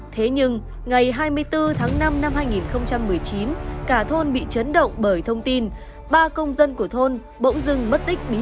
thế nhưng ngày hai mươi bốn tháng năm năm hai nghìn một mươi chín cả thôn bị chấn động bởi thông tin ba công dân của thôn bỗng dưng mất tích bí